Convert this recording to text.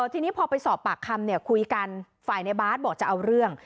ทีนี้พอไปสอบปากคำคุยกันฝ่ายในบาร์ดบอกจะเอาเรื่อง